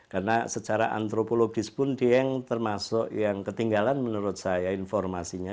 karena secara antropologis pun diang termasuk yang ketinggalan menurut saya informasinya